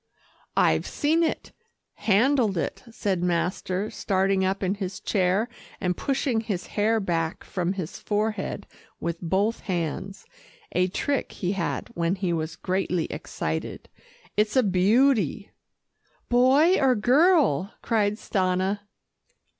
"I've seen it, handled it," said master starting up in his chair and pushing his hair back from his forehead with both hands a trick he had when he was greatly excited. "It's a beauty." "Boy or girl?" cried Stanna.